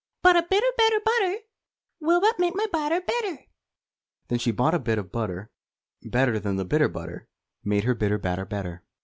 But a bit o' better butter Will but make my batter better." Then she bought a bit o' butter Better than the bitter butter, Made her bitter batter better.